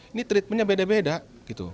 ini treatmentnya beda beda gitu